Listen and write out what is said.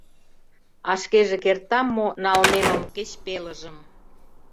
А шкеже кертам мо налмемым кеч пелыжым